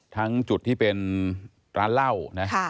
ทั้งจุดที่เป็นร้านเหล้านะ